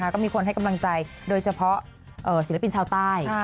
ก็มีคนให้กำลังใจโดยเฉพาะศิลปินชาวใต้